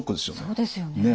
そうですよね。